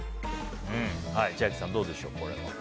千秋さん、どうでしょう？